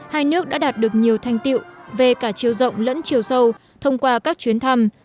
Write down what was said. hai nước đã đạt được nhiều thanh tiệu về cả chiều rộng lẫn chiều sâu thông qua các chuyến thăm